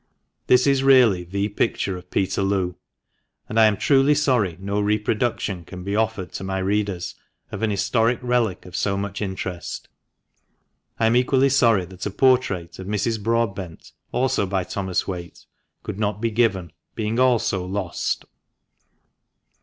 This is really the picture of Peterloo. And I am truly sorry no reproduction can be offered to my readers of an historic relic of so much interest. I am equally sorry that a portrait of Mrs. Broadbent, also by Thomas Whaite. could not be given, being also lost.